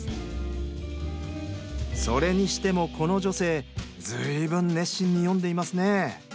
それにしてもこの女性ずいぶん熱心に読んでいますね。